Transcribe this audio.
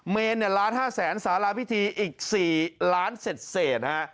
เมน๑๕๐๐๐๐๐บาทสาราพิธีอีก๔ล้านเศษนะฮะ